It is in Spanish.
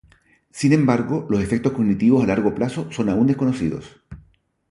Sin embargo, los efectos cognitivos a largo plazo son aun desconocidos.